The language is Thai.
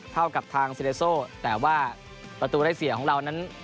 เท่ากับทางซิเลโซแต่ว่าประตูได้เสียของเรานั้น